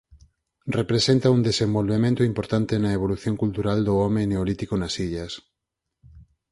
Representa un desenvolvemento importante na evolución cultural do home neolítico nas illas.